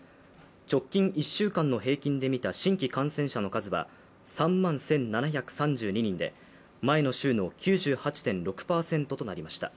直近１週間の平均で見た新規感染者の数は３万１７３２人で前の週の９８．６％となりました。